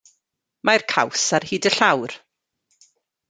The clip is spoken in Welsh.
Mae'r caws ar hyd y llawr.